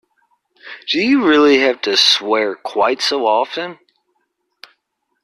Do you really have to swear quite so often?